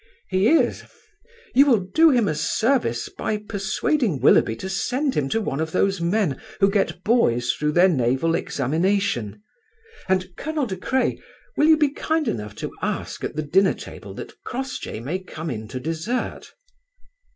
"He is. You will do him a service by persuading Willoughby to send him to one of those men who get boys through their naval examination. And, Colonel De Craye, will you be kind enough to ask at the dinner table that Crossjay may come in to dessert?"